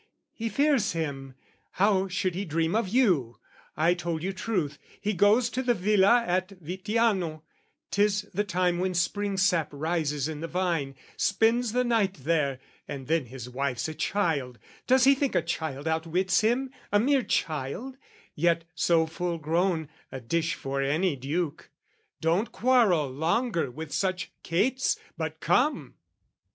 He fears him "How should he dream of you? I told you truth "He goes to the villa at Vittiano 'tis "The time when Spring sap rises in the vine "Spends the night there. And then his wife's a child, "Does he think a child outwits him? A mere child: "Yet so full grown, a dish for any duke. "Don't quarrel longer with such cates, but come!"